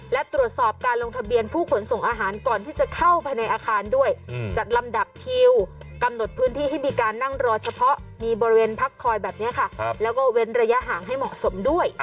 มีบริเวณพักคอยแบบนี้ค่ะแล้วก็เว้นระยะห่างให้เหมาะสมด้วย